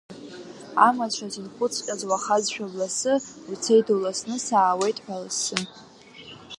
Амацәыс инхәыҵҟьаз уахазшәа бласы, уцеит уласны, саауеит ҳәа лассы.